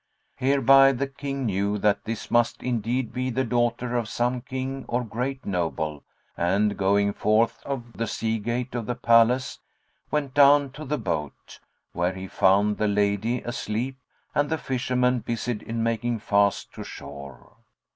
Hereby the King knew that this must indeed be the daughter of some King or great noble and, going forth of the sea gate of the palace, went down to the boat, where he found the lady asleep and the fisherman busied in making fast to shore.